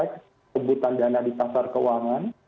kebutuhan dana di pasar keuangan